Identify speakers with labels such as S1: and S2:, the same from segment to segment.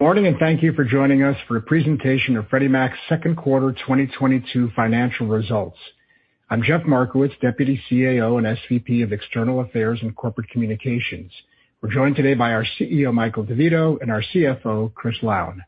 S1: Morning, thank you for joining us for a presentation of Freddie Mac's second quarter 2022 financial results. I'm Jeff Markowitz, Deputy CAO and SVP of External Affairs and Corporate Communications. We're joined today by our CEO, Michael DeVito, and our CFO, Chris Lown.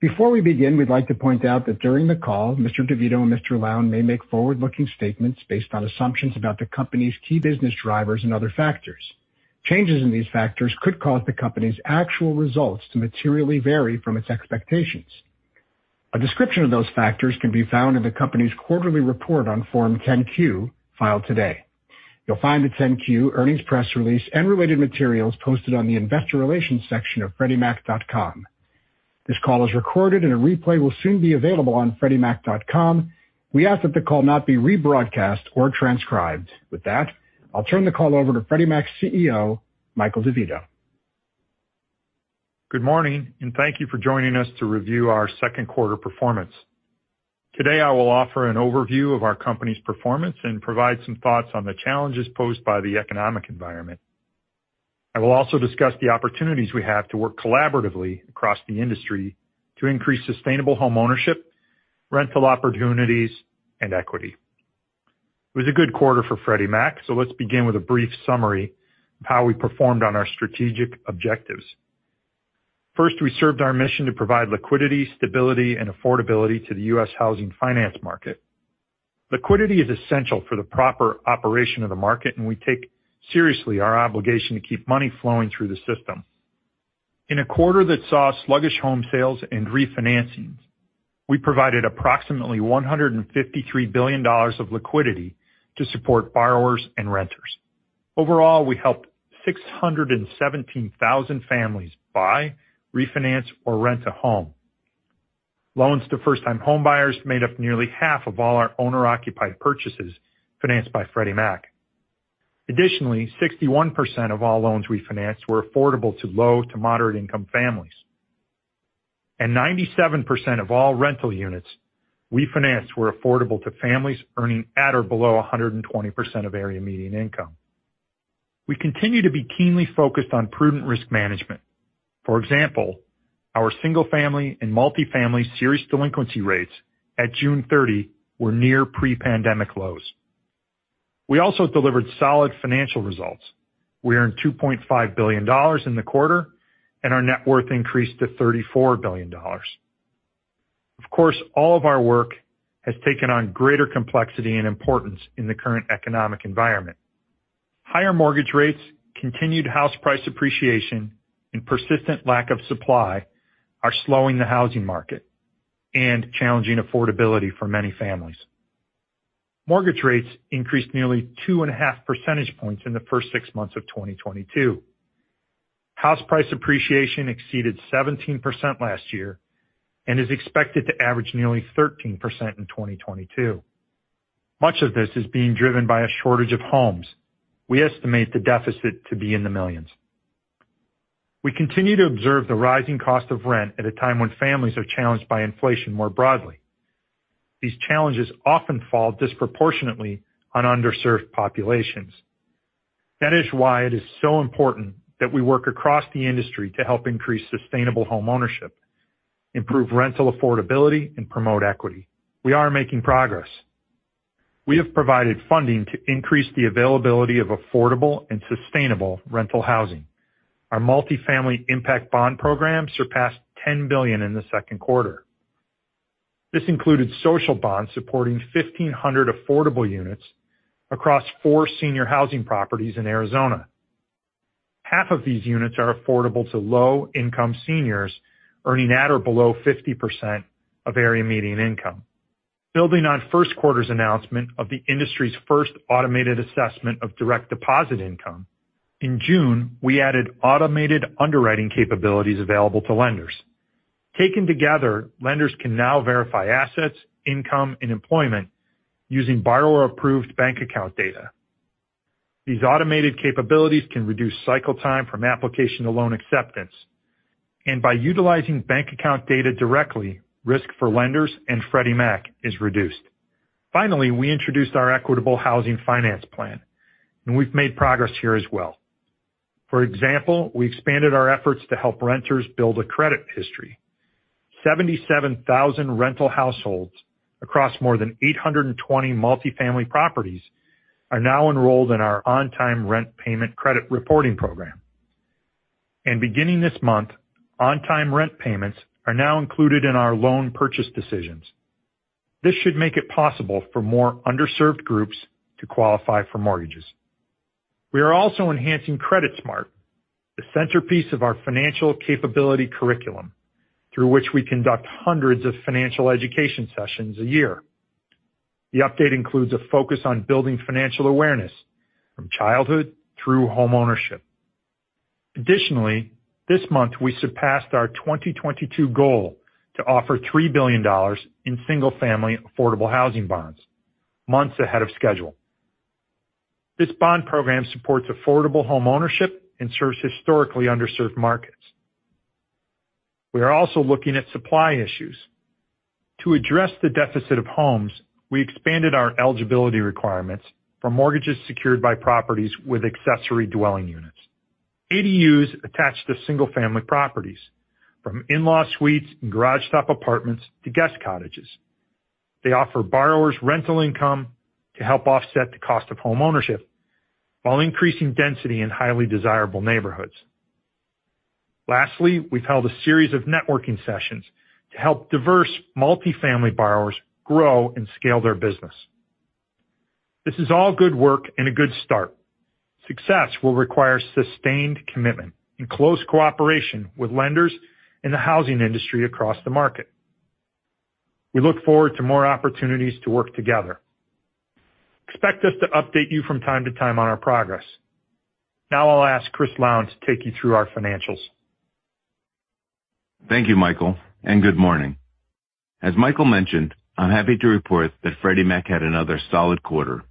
S1: Before we begin, we'd like to point out that during the call, Mr. DeVito and Mr. Lown may make forward-looking statements based on assumptions about the company's key business drivers and other factors. Changes in these factors could cause the company's actual results to materially vary from its expectations. A description of those factors can be found in the company's quarterly report on Form 10-Q, filed today. You'll find the 10-Q earnings press release and related materials posted on the investor relations section of freddiemac.com. This call is recorded, and a replay will soon be available on freddiemac.com. We ask that the call not be rebroadcast or transcribed. With that, I'll turn the call over to Freddie Mac's CEO, Michael DeVito.
S2: Good morning, and thank you for joining us to review our second quarter performance. Today, I will offer an overview of our company's performance and provide some thoughts on the challenges posed by the economic environment. I will also discuss the opportunities we have to work collaboratively across the industry to increase sustainable homeownership, rental opportunities, and equity. It was a good quarter for Freddie Mac, so let's begin with a brief summary of how we performed on our strategic objectives. First, we served our mission to provide liquidity, stability, and affordability to the U.S. housing finance market. Liquidity is essential for the proper operation of the market, and we take seriously our obligation to keep money flowing through the system. In a quarter that saw sluggish home sales and refinancings, we provided approximately $153 billion of liquidity to support borrowers and renters. Overall, we helped 617,000 families buy, refinance, or rent a home. Loans to first-time homebuyers made up nearly half of all our owner-occupied purchases financed by Freddie Mac. Additionally, 61% of all loans we financed were affordable to low- to moderate-income families. 97% of all rental units we financed were affordable to families earning at or below 120% of area median income. We continue to be keenly focused on prudent risk management. For example, our Single-Family and Multifamily serious delinquency rates at June 30 were near pre-pandemic lows. We also delivered solid financial results. We earned $2.5 billion in the quarter, and our net worth increased to $34 billion. Of course, all of our work has taken on greater complexity and importance in the current economic environment. Higher mortgage rates, continued house price appreciation, and persistent lack of supply are slowing the housing market and challenging affordability for many families. Mortgage rates increased nearly 2.5 percentage points in the first six months of 2022. House price appreciation exceeded 17% last year and is expected to average nearly 13% in 2022. Much of this is being driven by a shortage of homes. We estimate the deficit to be in the millions. We continue to observe the rising cost of rent at a time when families are challenged by inflation more broadly. These challenges often fall disproportionately on underserved populations. That is why it is so important that we work across the industry to help increase sustainable homeownership, improve rental affordability, and promote equity. We are making progress. We have provided funding to increase the availability of affordable and sustainable rental housing. Our Multifamily Impact Bonds program surpassed $10 billion in the second quarter. This included Social Bonds supporting 1,500 affordable units across four senior housing properties in Arizona. Half of these units are affordable to low-income seniors earning at or below 50% of area median income. Building on first quarter's announcement of the industry's first automated assessment of direct deposit income, in June, we added automated underwriting capabilities available to lenders. Taken together, lenders can now verify assets, income, and employment using borrower-approved bank account data. These automated capabilities can reduce cycle time from application to loan acceptance. By utilizing bank account data directly, risk for lenders and Freddie Mac is reduced. Finally, we introduced our Equitable Housing Finance Plan, and we've made progress here as well. For example, we expanded our efforts to help renters build a credit history. 77,000 rental households across more than 820 Multifamily properties are now enrolled in our on-time rent payment credit reporting program. Beginning this month, on-time rent payments are now included in our loan purchase decisions. This should make it possible for more underserved groups to qualify for mortgages. We are also enhancing CreditSmart, the centerpiece of our financial capability curriculum, through which we conduct hundreds of financial education sessions a year. The update includes a focus on building financial awareness from childhood through homeownership. Additionally, this month, we surpassed our 2022 goal to offer $3 billion in Single-Family affordable housing bonds months ahead of schedule. This bond program supports affordable homeownership and serves historically underserved markets. We are also looking at supply issues. To address the deficit of homes, we expanded our eligibility requirements for mortgages secured by properties with accessory dwelling units. ADUs attached to Single-Family properties, from in-law suites and garage top apartments to guest cottages. They offer borrowers rental income to help offset the cost of homeownership while increasing density in highly desirable neighborhoods. Lastly, we've held a series of networking sessions to help diverse Multifamily borrowers grow and scale their business. This is all good work and a good start. Success will require sustained commitment and close cooperation with lenders in the housing industry across the market. We look forward to more opportunities to work together. Expect us to update you from time to time on our progress. Now I'll ask Chris Lown to take you through our financials.
S3: Thank you, Michael, and good morning. As Michael mentioned, I'm happy to report that Freddie Mac had another solid quarter.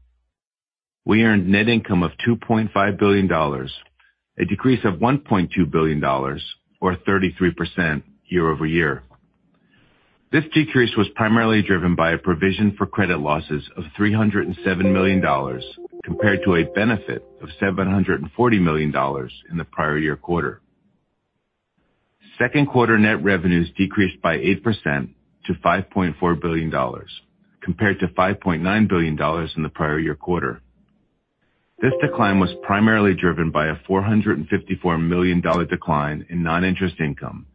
S3: We earned net income of $2.5 billion, a decrease of $1.2 billion or 33% year-over-year. This decrease was primarily driven by a provision for credit losses of $307 million compared to a benefit of $740 million in the prior year quarter. Second quarter net revenues decreased by 8% to $5.4 billion, compared to $5.9 billion in the prior year quarter. This decline was primarily driven by a $454 million decline in non-interest income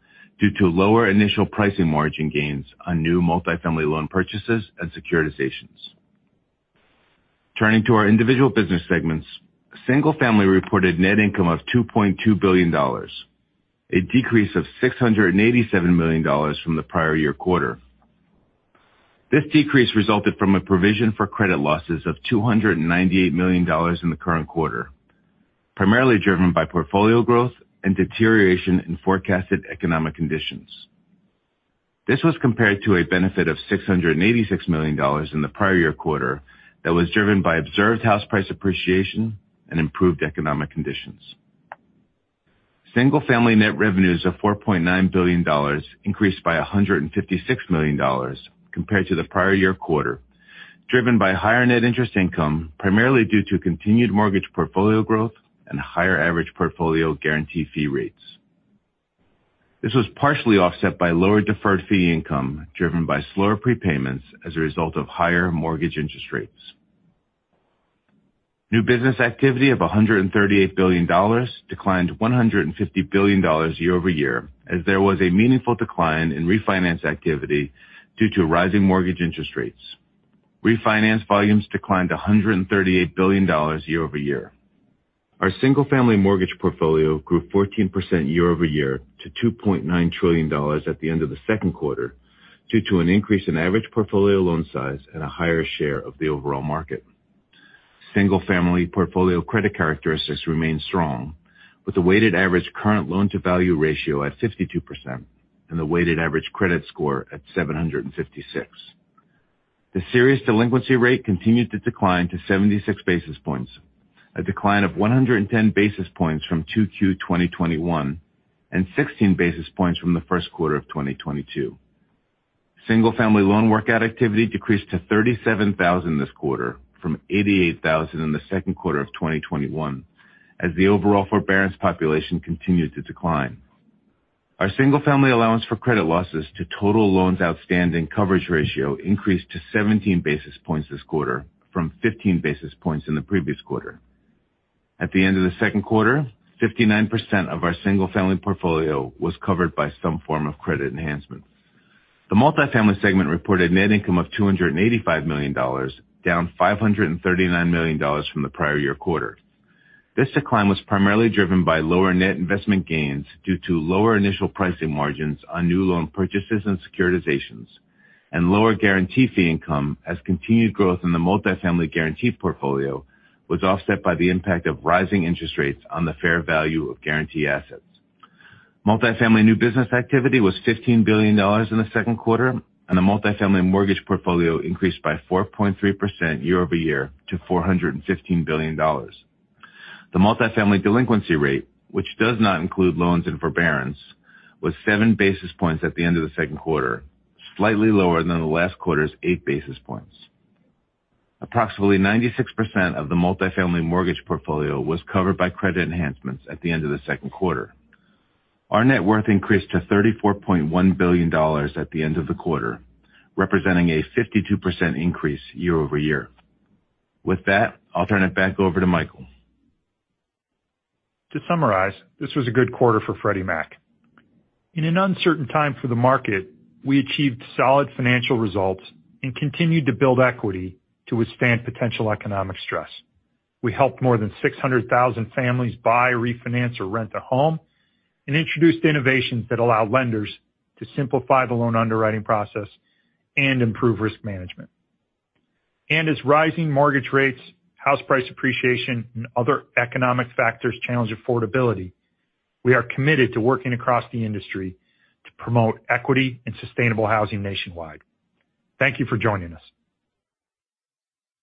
S3: due to lower initial pricing margin gains on new Multifamily loan purchases and securitizations. Turning to our individual business segments. Single-Family reported net income of $2.2 billion, a decrease of $687 million from the prior year quarter. This decrease resulted from a provision for credit losses of $298 million in the current quarter, primarily driven by portfolio growth and deterioration in forecasted economic conditions. This was compared to a benefit of $686 million in the prior year quarter that was driven by observed house price appreciation and improved economic conditions. Single-Family net revenues of $4.9 billion increased by $156 million compared to the prior year quarter, driven by higher net interest income, primarily due to continued mortgage portfolio growth and higher average portfolio guarantee fee rates. This was partially offset by lower deferred fee income driven by slower prepayments as a result of higher mortgage interest rates. New business activity of $138 billion declined $150 billion year-over-year as there was a meaningful decline in refinance activity due to rising mortgage interest rates. Refinance volumes declined to $138 billion year-over-year. Our Single-Family mortgage portfolio grew 14% year-over-year to $2.9 trillion at the end of the second quarter due to an increase in average portfolio loan size and a higher share of the overall market. Single-Family portfolio credit characteristics remain strong with the weighted average current loan-to-value ratio at 52% and the weighted average credit score at 756. The serious delinquency rate continued to decline to 76 basis points, a decline of 110 basis points from 2Q 2021 and 16 basis points from the first quarter of 2022. Single-Family loan workout activity decreased to 37,000 this quarter from 88,000 in the second quarter of 2021 as the overall forbearance population continued to decline. Our Single-Family allowance for credit losses to total loans outstanding coverage ratio increased to 17 basis points this quarter from 15 basis points in the previous quarter. At the end of the second quarter, 59% of our Single-Family portfolio was covered by some form of credit enhancement. The Multifamily segment reported net income of $285 million, down $539 million from the prior year quarter. This decline was primarily driven by lower net investment gains due to lower initial pricing margins on new loan purchases and securitizations and lower guarantee fee income as continued growth in the Multifamily guarantee portfolio was offset by the impact of rising interest rates on the fair value of guarantee assets. Multifamily new business activity was $15 billion in the second quarter and the Multifamily mortgage portfolio increased by 4.3% year-over-year to $415 billion. The Multifamily delinquency rate, which does not include loans in forbearance, was 7 basis points at the end of the second quarter, slightly lower than the last quarter's 8 basis points. Approximately 96% of the Multifamily mortgage portfolio was covered by credit enhancements at the end of the second quarter. Our net worth increased to $34.1 billion at the end of the quarter, representing a 52% increase year-over-year. With that, I'll turn it back over to Michael.
S2: To summarize, this was a good quarter for Freddie Mac. In an uncertain time for the market, we achieved solid financial results and continued to build equity to withstand potential economic stress. We helped more than 600,000 families buy, refinance, or rent a home and introduced innovations that allow lenders to simplify the loan underwriting process and improve risk management. As rising mortgage rates, house price appreciation, and other economic factors challenge affordability, we are committed to working across the industry to promote equity and sustainable housing nationwide. Thank you for joining us.